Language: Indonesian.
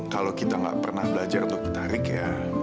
kalau kita nggak pernah belajar atau tertarik ya